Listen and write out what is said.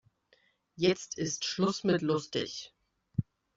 Jetzt ist Schluss mit lustig.